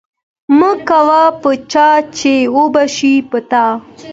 مکوه په چا چی اوبشی په تا